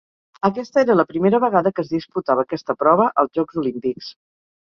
Aquesta era la primera vegada que es disputava aquesta prova als Jocs Olímpics.